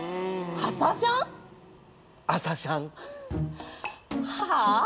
朝シャン。はあ？